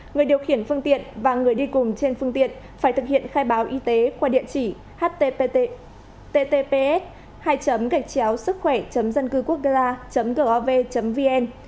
người điều khiển phương tiện và người đi cùng trên phương tiện phải thực hiện khai báo y tế qua địa chỉ https hai gachiao sukhoe dancucucucla gov vn